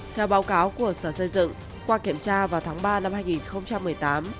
theo báo cáo của sở xây dựng qua kiểm tra vào tháng ba năm hai nghìn một mươi tám